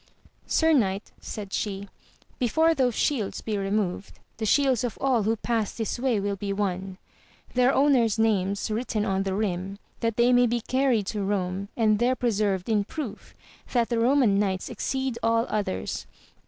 Sir knight, said she, be fore those shields be removed, the shields of all who pass this way will be won, their owner's names written on the rim, that they may be carried to Eome and there preserved in proof that the Eoman knights ex ceed all others.